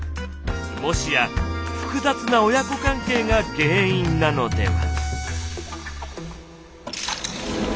もしや複雑な親子関係が原因なのでは。